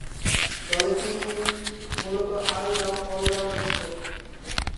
দলে তিনি মূলতঃ অল-রাউন্ডার ছিলেন।